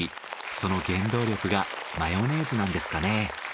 その原動力がマヨネーズなんですかね。